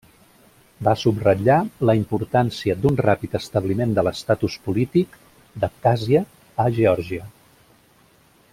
Va subratllar la importància d'un ràpid establiment de l'estatus polític d'Abkhàzia a Geòrgia.